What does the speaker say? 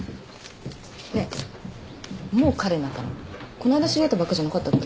この間知り合ったばっかじゃなかったっけ。